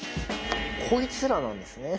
こいつらなんですね。